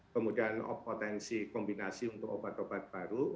kemudian potensi kombinasi untuk obat obat baru